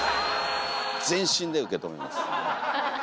全身で受け止めます。